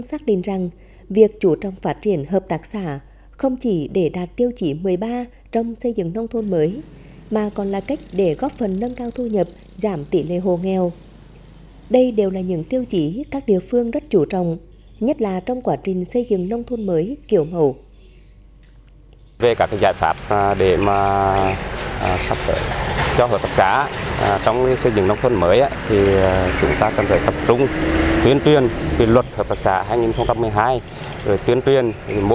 xác định tâm quan trọng của tổ chức xây dựng nông thôn mới do đài phát thanh truyền hình quảng trì thực hiện